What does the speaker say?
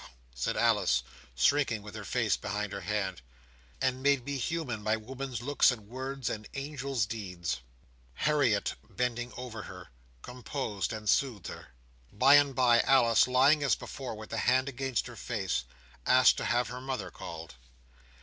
said Alice, shrinking with her face behind her hand, "and made me human by woman's looks and words, and angel's deeds!" Harriet bending over her, composed and soothed her. By and bye, Alice lying as before, with the hand against her face, asked to have her mother called.